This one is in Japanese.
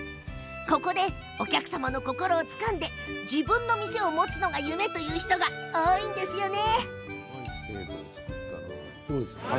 ここでお客様の心をつかんで自分の店を持つのが夢という人が多いんですよね。